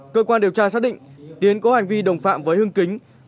cơ quan điều tra xác định tiến có hành vi đồng phạm với hưng kính